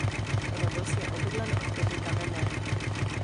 Rhodos je obydlen od doby kamenné.